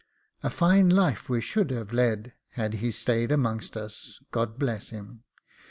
A fine life we should have led, had he stayed amongst us, God bless him!